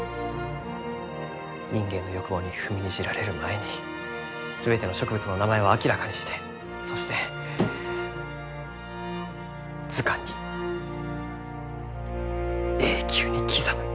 人間の欲望に踏みにじられる前に全ての植物の名前を明らかにしてそして図鑑に永久に刻む。